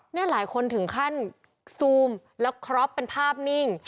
นี่หลายคนถึงขั้นซูมแล้วครอบเป็นภาพนิ่ง